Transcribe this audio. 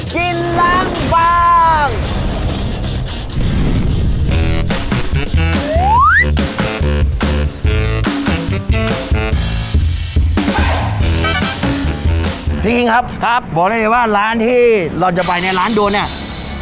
จริงจริงครับครับบอกให้เจอว่าร้านที่เราจะไปในร้านโดนเนี่ย